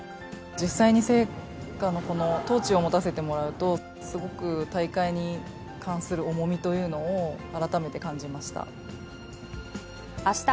実際に聖火の、このトーチを持たせてもらうと、すごく大会に関する重みというのを改めて感じました。